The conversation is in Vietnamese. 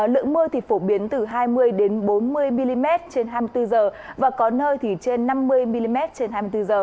lượng mưa thì phổ biến từ hai mươi bốn mươi mm trên hai mươi bốn h và có nơi thì trên năm mươi mm trên hai mươi bốn h